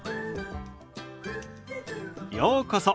ようこそ。